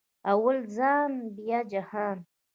اول ځان بیا جهان